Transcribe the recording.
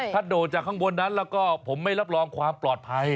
ถ้าโดดจากข้างบนนั้นแล้วก็ผมไม่รับรองความปลอดภัย